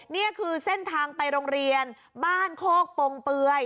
นี่คือเส้นทางไปโรงเรียนบ้านโคกปงเปลือย